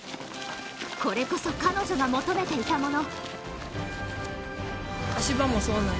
これこそ彼女が求めていたもの。